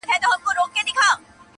په يوازي ځان قلا ته ور روان سو!!